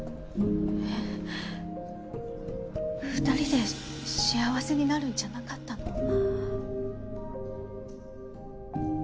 ２人で幸せになるんじゃなかったの？